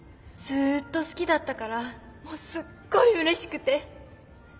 ずっと好きだったからもうすっごいうれしくて。